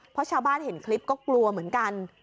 เพราะชาวบ้านเห็นคลิปก็กลัวเหมือนกัน